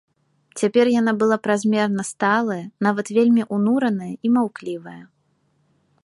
Цяпер яна была празмерна сталая, нават вельмі ўнураная і маўклівая.